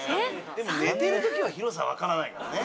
でも寝てる時は広さわからないからね。